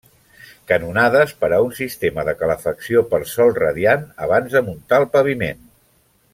Canonades per a un sistema de calefacció per sòl radiant, abans de muntar el paviment.